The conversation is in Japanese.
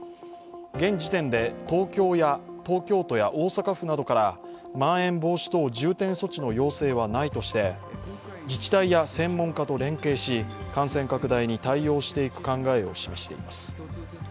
現時点で東京都や大阪府などからまん延防止等重点措置の要請はないとして自治体や専門家と連携し感染拡大に対応していく考えを示しています。